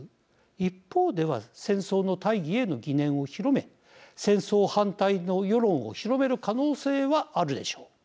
一方では戦争の大義への疑念を広め戦争反対の世論を広める可能性はあるでしょう。